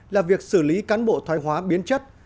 là việc xử lý cán bộ thoái hóa biến chất